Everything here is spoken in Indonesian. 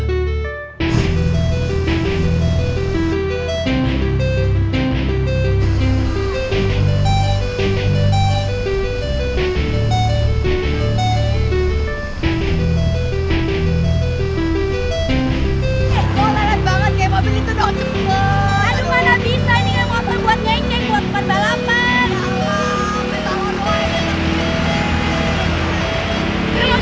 gue leran banget kayak mobil itu dong